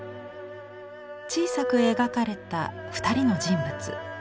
小さく描かれた２人の人物。